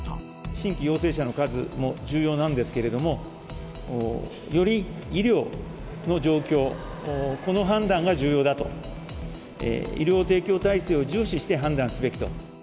新規陽性者の数も重要なんですけれども、より医療の状況、この判断が重要だと、医療提供体制を重視して判断すべきと。